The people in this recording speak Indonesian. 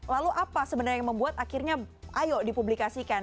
lalu apa sebenarnya yang membuat akhirnya ayo dipublikasikan